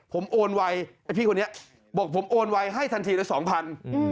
ผมโอนไวไอ้พี่คนนี้บอกผมโอนไวให้ทันทีละสองพัน